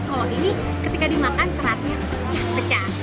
kalau ini ketika dimakan seratnya pecah pecah